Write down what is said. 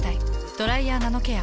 「ドライヤーナノケア」。